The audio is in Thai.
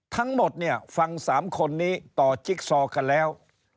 ทั้งหมดเนี่ยฟัง๓คนนี้ต่อจิ๊กซอกันแล้ว